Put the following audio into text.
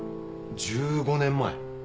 １５年前。